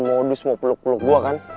mau dus mau peluk peluk gua kan